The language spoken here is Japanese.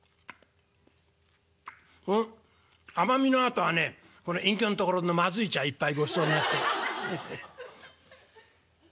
「うん甘みのあとはねこれ隠居んところのまずい茶一杯ごちそうになって。ヘヘッ」。